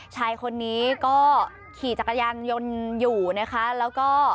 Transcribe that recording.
ชายคนนี้ก็ขี่จักรยานยนต์อยู่นะคะแล้วก็